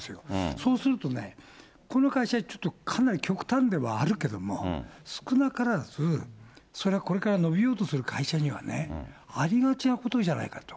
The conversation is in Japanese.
そうするとね、この会社ちょっと、かなり極端ではあるけども、少なからず、それはこれからの美容とする会社にはありがちなことじゃないかと。